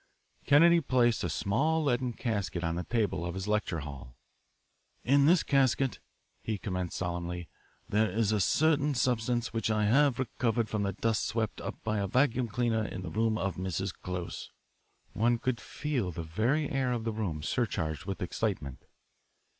Kennedy placed a small leaden casket on the table of his lecture hall. "In this casket," he commenced solemnly, "there is a certain substance which I have recovered from the dust swept up by a vacuum cleaner in the room of Mrs. Close." One could feel the very air of the room surcharged with excitement.